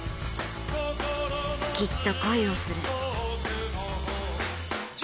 きっと恋をする。